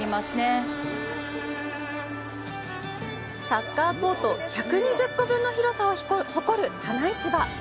サッカーコート１２０個分の広さを誇る花市場。